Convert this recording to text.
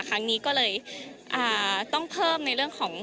ครั้งนี้ก็เลยต้องเพิ่มในเรื่องของ